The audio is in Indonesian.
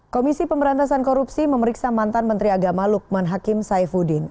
komisi pemberantasan korupsi memeriksa mantan menteri agama lukman hakim saifuddin